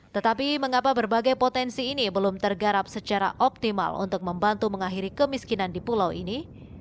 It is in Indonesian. tetapi mengapa berbagai potensi ini belum tergarap secara optimal untuk membantu mengakhiri kemiskinan di pulau ini